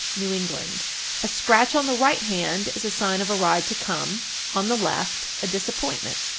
New England. 1367. A scratch on the right hand is a sign of a ride to come; on the left, a disappointment.